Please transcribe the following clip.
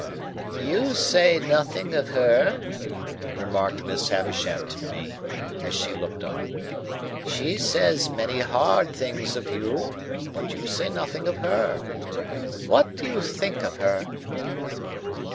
"You say nothing of her," remarked Miss Havisham to me, as she looked on. "She says many hard things of you, but you say nothing of her. What do you think of her?"